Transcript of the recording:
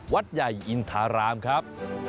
วัดใหญ่อินทารามครับ